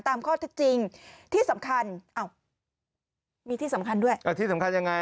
ตามข้อเท็จจริงที่สำคัญอ้าวมีที่สำคัญด้วยที่สำคัญยังไง